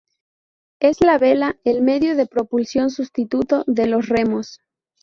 Es la vela, el medio de propulsión sustituto de los remos.